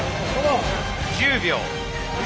１０秒。